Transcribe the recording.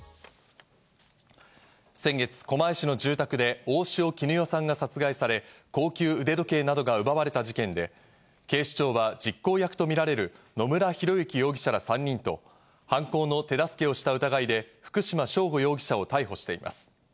先月、狛江市の住宅で大塩衣与さんが殺害され高級腕時計などが奪われた事件で、警視庁は実行役とみられる野村広之容疑者ら３人と、犯行の手助けをした疑いで福島聖悟容疑者を逮捕しています。